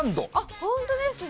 本当ですね。